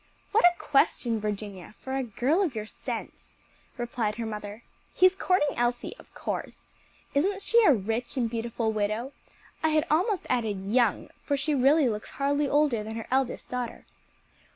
"What a question, Virginia, for a girl of your sense!" replied her mother, "he's courting Elsie, of course. Isn't she a rich and beautiful widow? I had almost added young, for she really looks hardly older than her eldest daughter."